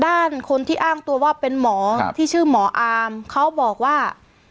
คนที่อ้างตัวว่าเป็นหมอที่ชื่อหมออามเขาบอกว่า